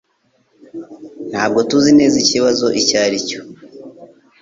Ntabwo tuzi neza ikibazo icyo ari cyo.